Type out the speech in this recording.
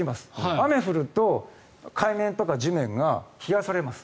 雨が降ると海面とか地面が冷やされます。